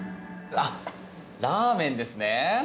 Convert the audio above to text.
ラーメンですね。